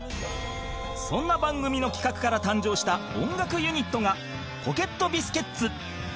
そんな番組の企画から誕生した音楽ユニットがポケットビスケッツ